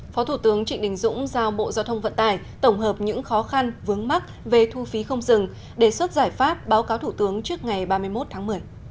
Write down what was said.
phó thủ tướng trịnh đình dũng giao bộ giao thông vận tải tổng hợp những khó khăn vướng mắt về thu phí không dừng đề xuất giải pháp báo cáo thủ tướng trước ngày ba mươi một tháng một mươi